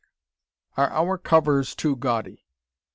Are Our Covers Too "Gaudy"?